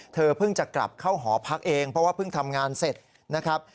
เธอเพิ่งจะกลับเข้าหอพักเองเพราะว่าเพิ่งทำงานเสร็จนะครับ